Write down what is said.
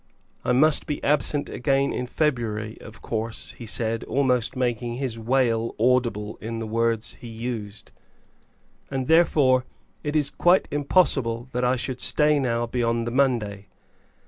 "I must be absent again in February, of course," he said, almost making his wail audible in the words he used, "and therefore it is quite impossible that I should stay now beyond the Monday."